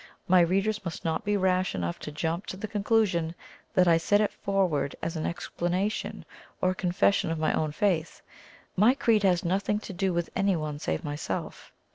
My readers must not be rash enough to jump to the conclusion that I set it forward as an explanation or confession of my own faith; my creed has nothing to do with anyone save myself.